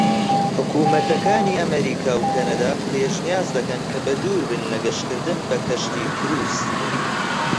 حکومەتەکانی ئەمەریکا و کەنەدا پێشنیاز دەکەن کە بە دووربن لە گەشتکردن بە کەشتی کروس.